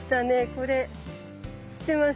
これ知ってます？